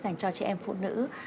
dành cho chị em phụ nữ